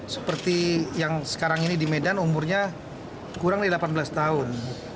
seperti yang sekarang ini di medan umurnya kurang dari delapan belas tahun